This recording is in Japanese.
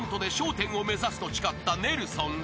１０を目指すと誓ったネルソンズ］